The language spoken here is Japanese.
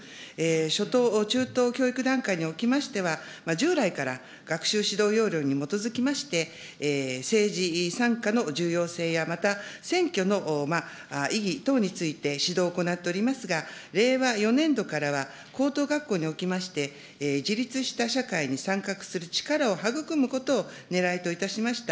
初等、中等教育段階におきましては、従来から学習指導要領に基づきまして、政治参加の重要性や、また選挙の意義等について指導を行っておりますが、令和４年度からは、高等学校におきまして自立した社会に参画する力を育むことをねらいといたしました